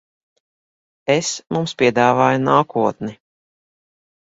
Es mums piedāvāju nākotni.